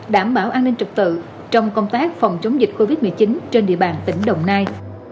đảm bảo an ninh trực tự trong công tác phòng chống dịch covid một mươi chín trên địa bàn tỉnh đồng nai